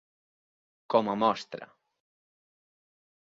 Com a mostra.